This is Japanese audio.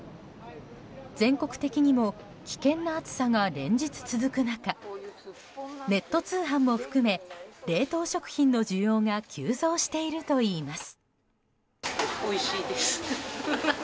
全国的にも危険な暑さが連日続く中ネット通販も含め、冷凍食品の需要が急増しているといいます。